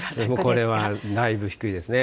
これはだいぶ低いですね。